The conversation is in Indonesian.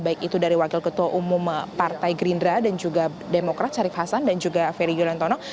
baik itu dari wakil ketua umum partai gerindra dan juga demokrat syarif hasan dan juga ferry yuliantono